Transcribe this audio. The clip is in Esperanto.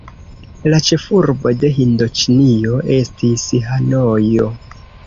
La ĉefurbo de Hindoĉinio estis Hanojo.